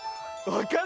わかる！